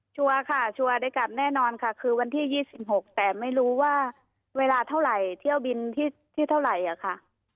ชัวร์ค่ะชัวร์ได้กลับแน่นอนค่ะคือวันที่๒๖แต่ไม่รู้ว่าเวลาเท่าไหร่เที่ยวบินที่เท่าไหร่อะค่ะ